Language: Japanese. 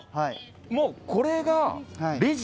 もうこれがレジ？